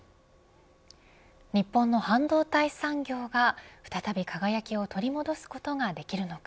日本の半導体産業が再び輝きを取り戻すことができるのか。